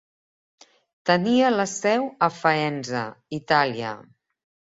Tenia la seu a Faenza, Itàlia.